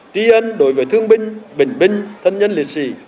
trí ân đối với thương binh bình binh thân nhân liệt sĩ